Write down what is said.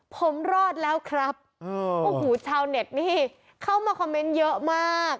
ผมรอดแล้วครับโอ้โหชาวเน็ตนี่เข้ามาคอมเมนต์เยอะมาก